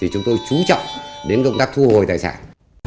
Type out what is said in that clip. chúng tôi chú trọng đến công tác thu hồi tài sản